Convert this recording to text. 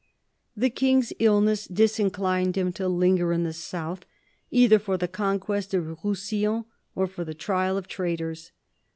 The King's illness disinclined him to linger in the south, either for the conquest of Roussillon or for the trial of traitors.